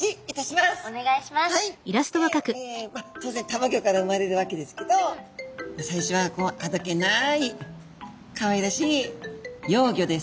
まあ当然たまギョから生まれるわけですけど最初はこうあどけないかわいらしい幼魚です。